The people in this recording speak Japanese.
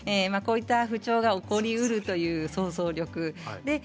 こういった不調が起こりえるという想像力。